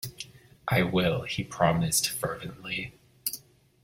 "I will," he promised fervently.